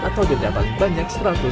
atau dendapat banyak seratus tahun